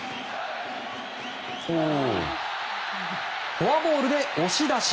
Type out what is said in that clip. フォアボールで押し出し。